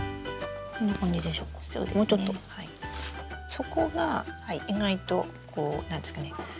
底が意外とこう何ていうんですかね